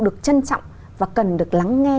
được trân trọng và cần được lắng nghe